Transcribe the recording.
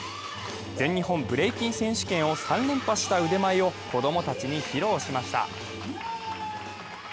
全日本ブレイキン選手権を３連覇した腕前を子供たちに披露しました。